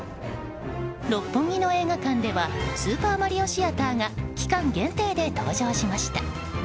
六本木の映画館ではスーパーマリオシアターが期間限定で登場しました。